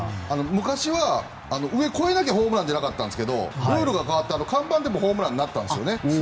昔は、上を越えなきゃホームラン出なかったんですがルールが変わって、あの看板でもホームランになったんです。